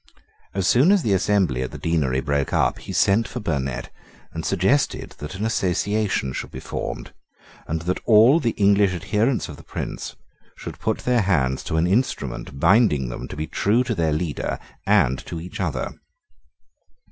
As soon as the assembly at the Deanery broke up, he sent for Burnet, and suggested that an association should be formed, and that all the English adherents of the Prince should put their hands to an instrument binding them to be true to their leader and to each other.